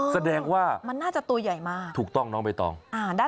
แสดงว่าถูกต้องน้องเบต้องมันน่าจะตัวใหญ่มาก